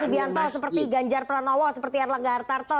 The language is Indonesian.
seperti prabowo sibianto seperti ganjar pranowo seperti erlangga hartarto